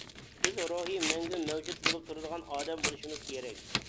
بىز «روھىي مەڭگۈ مەۋجۇت بولۇپ تۇرىدىغان» ئادەم بولۇشىمىز كېرەك.